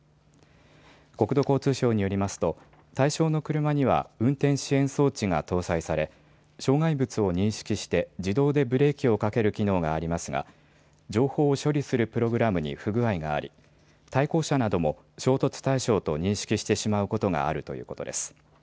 国土交通省によりますと、対象の車には運転支援装置が搭載され、障害物を認識して自動でブレーキをかける機能がありますが、情報を処理するプログラムに不具合があり、対向車なども衝突対象と認識してしまうことがあるということです。